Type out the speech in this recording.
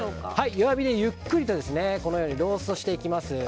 弱火でゆっくりとローストしていきます。